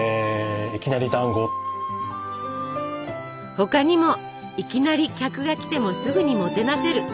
他にも「いきなり」客が来てもすぐにもてなせる。